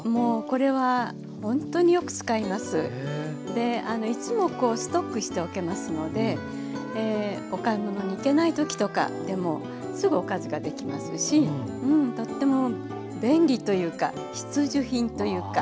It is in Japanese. でいつもストックしておけますのでお買い物に行けない時とかでもすぐおかずができますしとっても便利というか必需品というか。